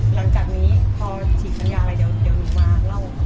หลังจากนี้พอฉีกสัญญาอะไรเดี๋ยวหนูมาเล่า